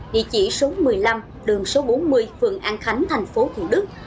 địa chỉ số một mươi năm đường số bốn mươi phường an khánh thành phố thủ đức